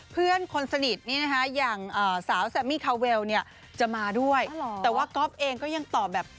เพื่อนคนสนิทอย่างสาวแซมมมี่คาวเวลเนี่ยจะมาด้วยแต่ว่ากอปเองก็ยังตอบแบบกักอยู่